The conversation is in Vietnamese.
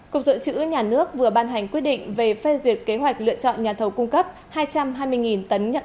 cục dự trữ nhà nước vừa ban hành quyết định về phê duyệt kế hoạch lựa chọn nhà thầu cung cấp hai trăm hai mươi tấn